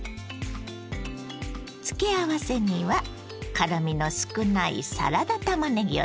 付け合わせには辛みの少ないサラダたまねぎを使います。